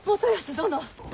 殿！